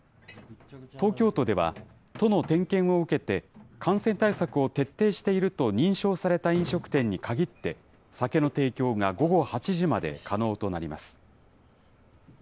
東京都では、都の点検を受けて、感染対策を徹底していると認証された飲食店に限って、酒の提供が午後８時まで可能となります。